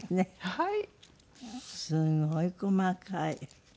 はい。